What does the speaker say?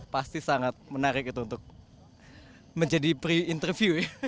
pasti sangat menarik itu untuk menjadi pre interview ya